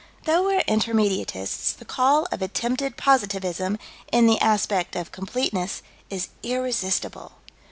Though we're Intermediatists, the call of attempted Positivism, in the aspect of Completeness, is irresistible.